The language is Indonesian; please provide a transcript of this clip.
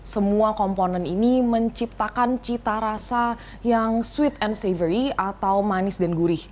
semua komponen ini menciptakan cita rasa yang sweet and savery atau manis dan gurih